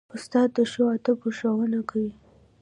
استاد د ښو آدابو ښوونه کوي.